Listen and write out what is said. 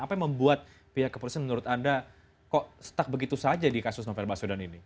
apa yang membuat pihak kepolisian menurut anda kok stuck begitu saja di kasus novel baswedan ini